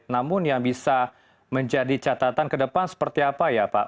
namun yang bisa menjadi catatan ke depan seperti apa ya pak